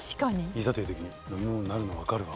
いざという時に飲み物になるの分かるわ。